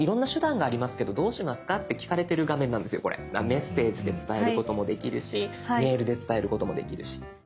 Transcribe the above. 「メッセージ」で伝えることもできるし「メール」で伝えることもできるし。